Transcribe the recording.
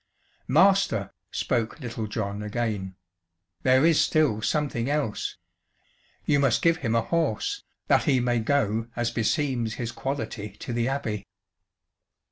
"Master," spoke Little John again, "there is still something else. You must give him a horse, that he may go as beseems his quality to the Abbey."